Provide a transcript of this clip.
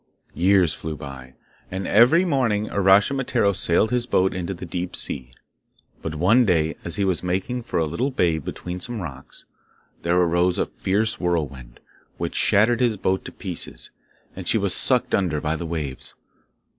Years flew by, and every morning Uraschimataro sailed his boat into the deep sea. But one day as he was making for a little bay between some rocks, there arose a fierce whirlwind, which shattered his boat to pieces, and she was sucked under by the waves.